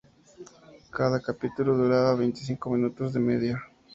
Cada capítulo duraba veinticinco minutos de media.